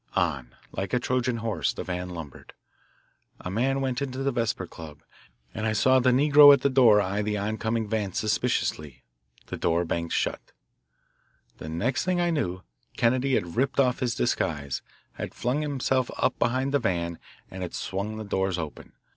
On, like the Trojan horse, the van lumbered. A man went into the Vesper Club, and I saw the negro at the door eye the oncoming van suspiciously. The door banged shut. The next thing I knew, Kennedy had ripped off his disguise, had flung himself up behind the van, and had swung the doors open.